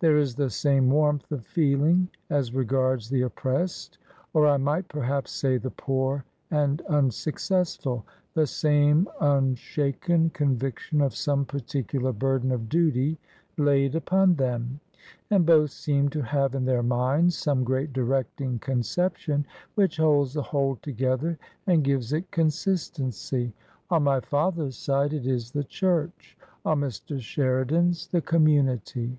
There is the same warmth of feeling as regards the oppressed — or I might perhaps say the poor and unsuccessful ; the same unshaken conviction of some particular burden of duty laid upon them ; and both seem to have in their minds some great directing conception which holds the whole together and gives it consistency. On my father's side it is the Church ; on Mr. Sheridan's, the Community."